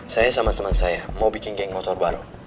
saya sama teman saya mau bikin geng motor baru